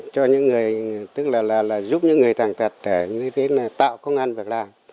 tức là giúp những người tàn tật để tạo công an việc làm